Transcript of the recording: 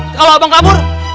kalau abang kabur